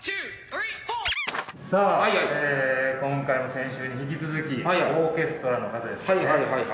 さあ今回も先週に引き続きオーケストラの方ですね。